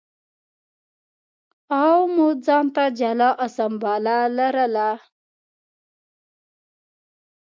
عوامو ځان ته جلا اسامبله لرله.